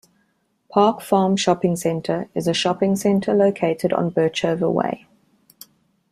Park Farm Shopping Centre is a shopping centre located on Birchover way.